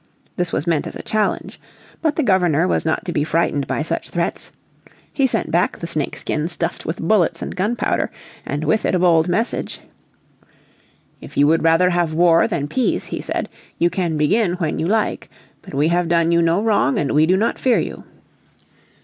This was meant as a challenge. But the Governor was not to be frightened by such threats. He sent back the snakeskin stuffed with bullets and gunpowder, and with it a bold message. "If you would rather have war than peace," he said, "you can begin when you like. But we have done you no wrong and we do not fear you."